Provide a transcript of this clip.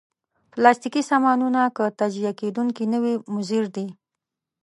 پلاستيکي سامانونه که تجزیه کېدونکي نه وي، مضر دي.